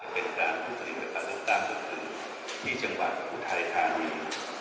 เป็นการผู้ผู้หญิงในการเลือกตั้งก็คือมีจังหวัดอุทัยธานี